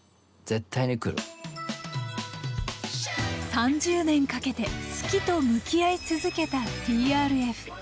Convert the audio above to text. ３０年かけて「好き」と向き合い続けたＴＲＦ。